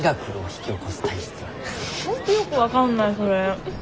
本当よく分かんないそれ。